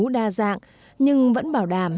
đa dạng nhưng vẫn bảo đảm